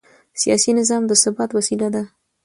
سیاسي نظام د ثبات وسیله ده